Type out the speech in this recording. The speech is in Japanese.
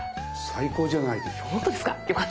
最高じゃないですか。